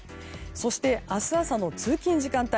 そして、明日朝の通勤時間帯